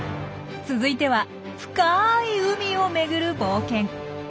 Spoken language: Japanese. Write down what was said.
続いては深い海をめぐる冒険。